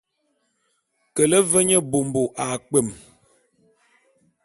Kele ve nye bômbo a kpwem.